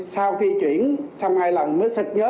sau khi chuyển xong hai lần mới sức nhớ